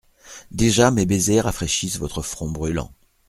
Déjà mes baisers rafraîchissent votre front brûlant.